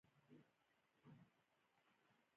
ډيپلومات د هېواد د بهرني سیاست استازی دی.